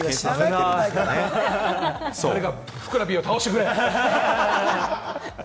誰かふくらＰを倒してくれ！